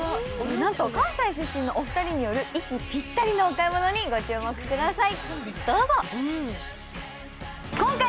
なんと関西出身のお二人による息ぴったりのお買い物にご注目ください。